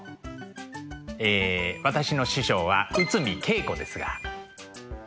え私の師匠は内海桂子ですが。